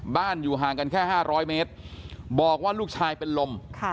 อยู่ห่างกันแค่๕๐๐เมตรบอกว่าลูกชายเป็นลม